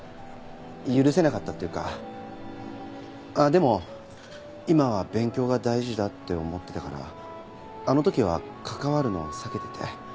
でも今は勉強が大事だって思ってたからあの時は関わるのを避けてて。